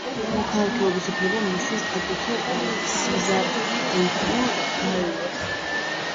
მოქალაქეობის უფლება მისცეს აგრეთვე ციზალპურ გალიას.